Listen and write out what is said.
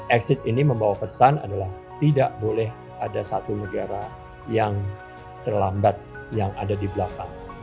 exit ini membawa pesan adalah tidak boleh ada satu negara yang terlambat yang ada di belakang